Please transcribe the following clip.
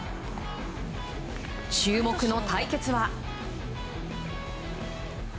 注目の対決は。